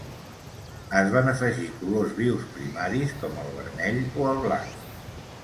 Es van afegir colors vius primaris, com el vermell o el blanc.